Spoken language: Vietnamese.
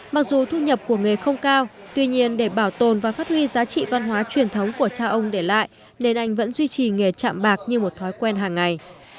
mặc dù thu nhập của nghề không cao tuy nhiên để bảo tồn và phát huy giá trị văn hóa truyền thống của cha ông để lại nên anh vẫn duy trì nghề chạm bạc như một thói quen hàng ngày